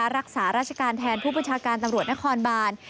รักษาราชการแทนผู้บัญชาการตำรวจนครบาน